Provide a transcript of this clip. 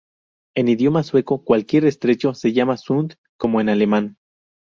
En idioma sueco, cualquier estrecho se llama "sund", como en alemán.